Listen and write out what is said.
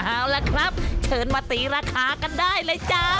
เอาล่ะครับเชิญมาตีราคากันได้เลยจ้า